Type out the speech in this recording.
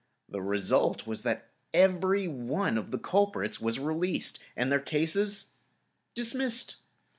The result was that every one of the culprits was released and the cases dismissed.